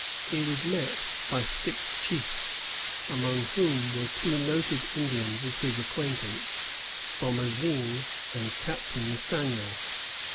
He was met by six chiefs, among whom were two noted Indians of his acquaintance, Bomazeen and Captain Nathaniel.